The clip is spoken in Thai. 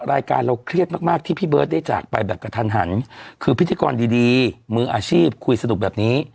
รายการเราเครียดมากมากที่พี่เบิร์ตได้จากไปแบบกระทันหันคือพิธีกรดีดีมืออาชีพคุยสนุกแบบนี้